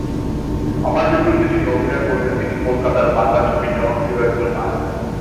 আমার বিপরীতে যিনি অভিনয় করবেন তিনি কলকাতার বাংলা ছবির জনপ্রিয় একজন নায়ক।